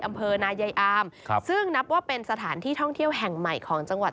อำเภอนายายอามครับซึ่งนับว่าเป็นสถานที่ท่องเที่ยวแห่งใหม่ของจังหวัด